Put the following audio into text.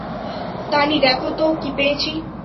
তানি, দেখো তো কী পেয়েছি।